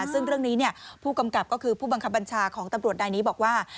ซึ่งเรื่องนี้ผู้กำกับก็คือผู้บังคับบัญชาของตำรวจนายนี้บอกว่า